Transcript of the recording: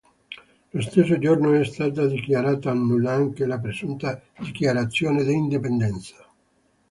Lo stesso giorno è stata dichiarata nulla anche la presunta dichiarazione d'indipendenza.